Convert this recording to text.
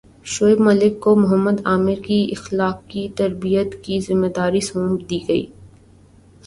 شعیب ملک کو محمد عامر کی اخلاقی تربیت کی ذمہ داری سونپ دی گئی